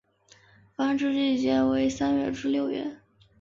繁殖季节为三月至六月。